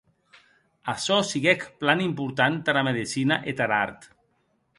Açò siguec plan important tara Medecina e tar art.